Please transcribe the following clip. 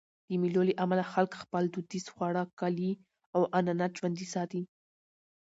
د مېلو له امله خلک خپل دودیز خواړه، کالي او عنعنات ژوندي ساتي.